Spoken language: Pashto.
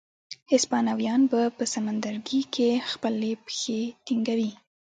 هسپانویان به په سمندرګي کې خپلې پښې ټینګوي.